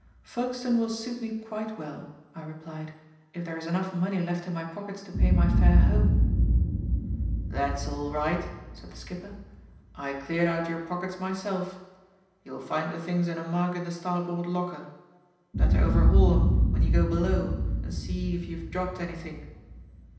"Folkestone will suit me quite well," I replied, "if there is enough money left in my pockets to pay my fare home." "That's all right," said the skipper. "I cleared out your pockets myself. You'll find the things in a mug in the starboard locker. Better overhaul 'em when you go below and see if you've dropped anything.